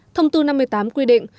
thông tư năm mươi tám quy định